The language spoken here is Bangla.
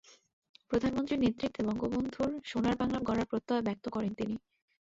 প্রধানমন্ত্রীর নেতৃত্বে বঙ্গবন্ধুর সোনার বাংলা গড়ার প্রত্যয় ব্যক্ত করেন তিনি।